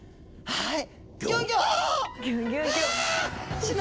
はい！